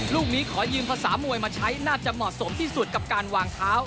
ลูกนี้ขอยืมภาษามวยมาใช้น่าจะเหมาะสมที่สุดกับการวางเท้า